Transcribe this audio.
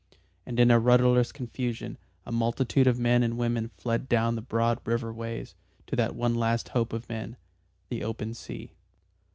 And in a rudderless confusion a multitude of men and women fled down the broad river ways to that one last hope of men the open sea.